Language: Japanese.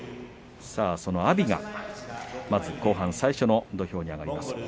阿炎がまず後半最初の土俵に上がります。